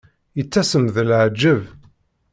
Yettasem d leεǧeb.